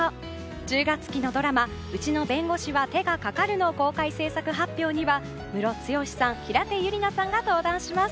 １０月期のドラマ「うちの弁護士は手がかかる」の公開制作発表にはムロツヨシさん平手友梨奈さんが登壇します。